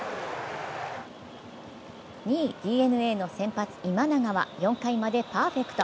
２位・ＤｅＮＡの先発・今永は４回までパーフェクト